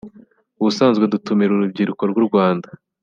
“Ubusanzwe dutumira urubyiruko rw’u Rwanda